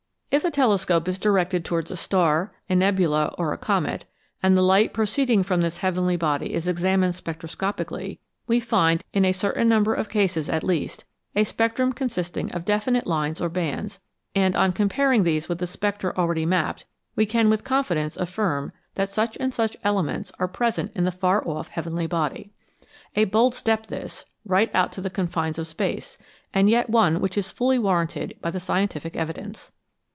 If a telescope is directed towards a star, a nebula, or a comet, and the light proceeding from this heavenly body is examined spectroscopically, we find, in a certain number of cases at least, a spectrum consisting of definite lines or bands, and on comparing these with the spectra already mapped, we can with confidence affirm that such and such elements are present in the far off heavenly body. A bold step this, right out to the confines of space, and yet one which is fully warranted by the scientific evidence.